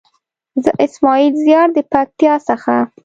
زه اسماعيل زيار د پکتيا څخه.